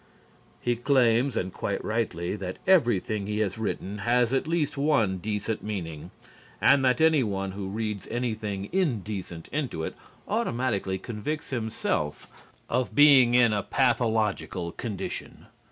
He claims, and quite rightly, that everything he has written has at least one decent meaning, and that anyone who reads anything indecent into it automatically convicts himself of being in a pathological condition.